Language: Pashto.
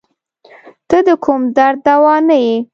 ته د کوم درد دوا نه یی